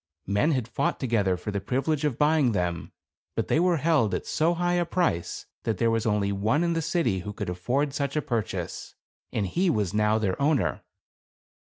Men had fought together for the privilege of buying them. But they were held at so high a price that there was only one in the city who could afford such a purchase ; and he was now their owner.